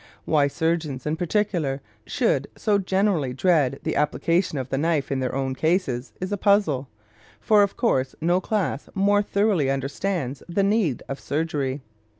Why surgeons, in particular, should so generally dread the application of the knife in their own cases is a puzzle, for of course no class more thoroughly understands the need of surgery.